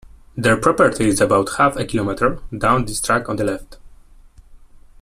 Their property is about half a kilometre down this track, on the left.